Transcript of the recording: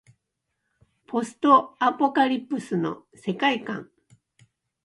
ポストアポカリプスの世界観